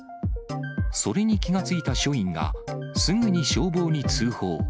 それに気が付いた署員がすぐに消防に通報。